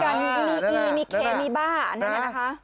มีอีมีเคมีบ้านั่นแหละนะคะ